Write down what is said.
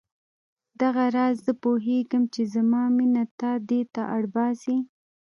دغه راز زه پوهېږم چې زما مینه تا دې ته اړ باسي.